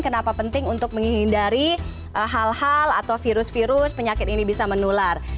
kenapa penting untuk menghindari hal hal atau virus virus penyakit ini bisa menular